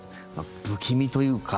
不気味というか。